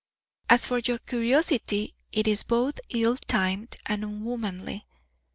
As for your curiosity, it is both ill timed and unwomanly.